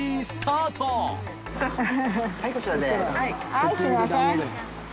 はいすいません。